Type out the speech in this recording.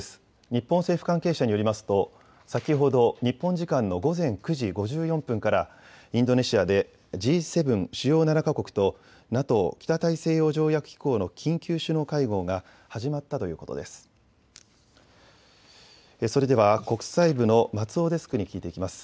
日本政府関係者によりますと先ほど日本時間の午前９時５４分からインドネシアでＧ７・主要７か国とＮＡＴＯ・北大西洋条約機構の緊急首脳会合が始まったということです。